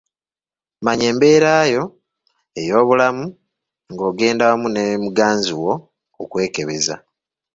Manya embeera yo ey’obulamu ng’ogenda wamu ne muganzi wo okwekebeza.